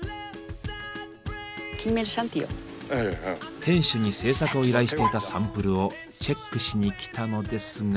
店主に制作を依頼していたサンプルをチェックしにきたのですが。